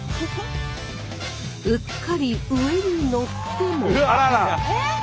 うっかり上に乗っても。